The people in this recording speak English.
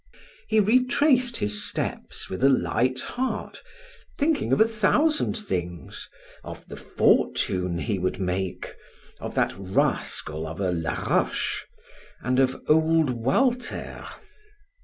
He retraced his steps with a light heart, thinking of a thousand things of the fortune he would make, of that rascal of a Laroche, and of old Walter.